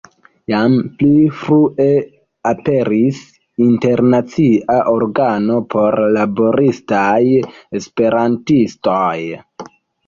Jam pli frue aperis internacia organo por laboristaj Esperantistoj.